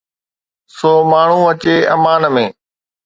سو ماڻهو اچي امان ۾.